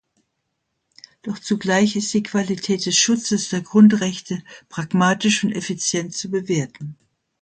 Doch zugleich ist die Qualität des Schutzes der Grundrechte pragmatisch und effizient zu bewerten.